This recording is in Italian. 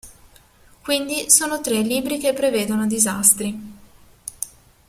Quindi sono tre libri che prevedono disastri.